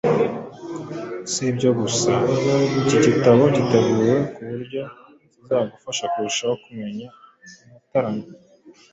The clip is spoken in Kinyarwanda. Si ibyo gusa, iki gitabo giteguye ku buryo kizagufasha kurushaho kuba umutaramyi